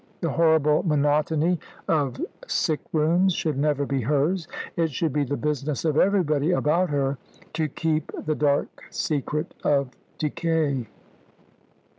The horrible monotony of sick rooms should never be hers. It should be the business of everybody about her to keep the dark secret of decay.